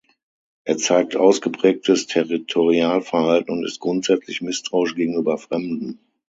Er zeigt ausgeprägtes Territorialverhalten und ist grundsätzlich misstrauisch gegenüber Fremden.